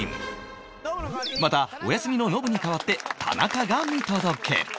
またお休みのノブに代わって田中が見届け